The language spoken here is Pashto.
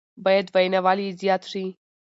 بايد ويناوال يې زياد شي